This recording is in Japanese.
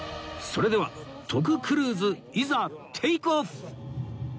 それでは徳クルーズいざテイクオフ！